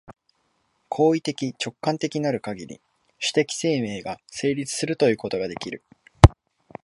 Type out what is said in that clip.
行為的直観的なるかぎり、種的生命が成立するということができる。